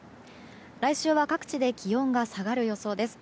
来週は各地で気温が下がる予想です。